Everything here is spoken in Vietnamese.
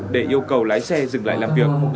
để yêu cầu lái xe dừng lại làm việc